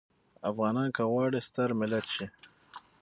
افغانان که غواړي ستر ملت شي.